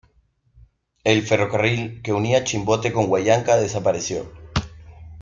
El ferrocarril que unía Chimbote con Huallanca desapareció.